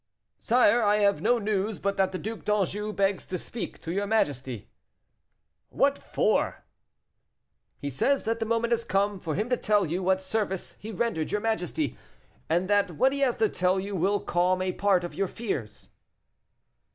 "Sire, I have no news but that the Duc d'Anjou begs to speak to your majesty." "What for?" "He says that the moment has come for him to tell you what service he rendered your majesty, and that what he has to tell you will calm a part of your fears."